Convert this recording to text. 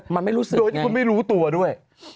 มันไม่รู้สึกโดยที่คุณไม่รู้ตัวด้วย